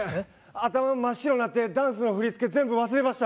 頭真っ白になってダンスの振り付け全部忘れました。